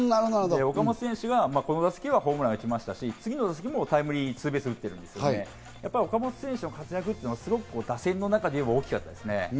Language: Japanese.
岡本選手がこの打席はホームランを打ちましたし、次の打席もタイムリーツーベースを打っているので岡本選手の活躍というのが打線の中で言えば大きかったですね。